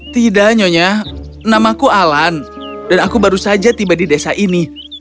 tidak nyonya namaku alan dan aku baru saja tiba di desa ini